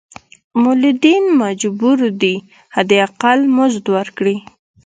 مولدین مجبور دي حد اقل مزد ورکړي.